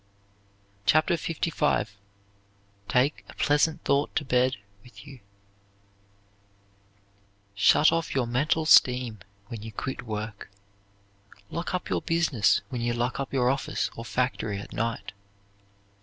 CHAPTER LV TAKE A PLEASANT THOUGHT TO BED WITH YOU Shut off your mental steam when you quit work. Lock up your business when you lock up your office or factory at night.